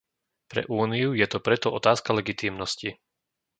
Pre Úniu je to preto otázka legitímnosti.